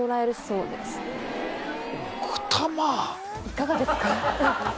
いかがですか？